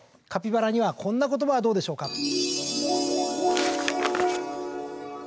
カピバラにはこんな言葉はどうでしょうか。